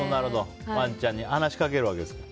ワンちゃんに話しかけるんですか？